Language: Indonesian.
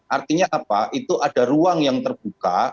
artinya apa itu ada ruang yang terbuka